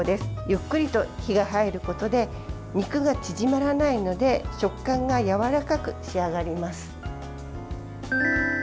ゆっくりと火が入ることで肉が縮まらないので食感がやわらかく仕上がります。